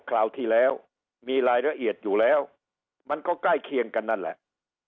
คราวที่แล้วมีรายละเอียดอยู่แล้วมันก็ใกล้เคียงกันนั่นแหละ